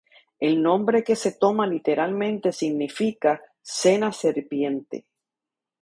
El nombre que se toma literalmente significa "cena serpiente".